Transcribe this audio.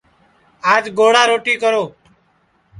آج گوڑا روٹی کرو